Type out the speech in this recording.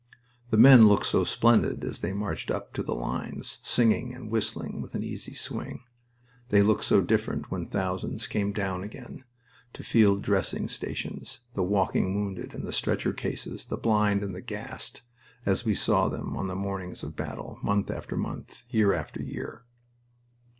The men looked so splendid as they marched up to the lines, singing, whistling, with an easy swing. They looked so different when thousands came down again, to field dressing stations the walking wounded and the stretcher cases, the blind and the gassed as we saw them on the mornings of battle, month after month, year after year.